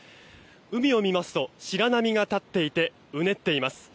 海を見ますと白波が立っていてうねっています。